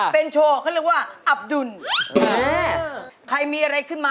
เป็นริสต์สีดวงมากไหม